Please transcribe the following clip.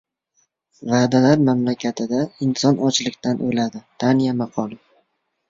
Va’dalar mamlakatida inson ochlikdan o‘ladi. Daniya maqoli